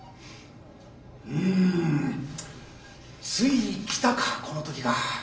うんついに来たかこの時が。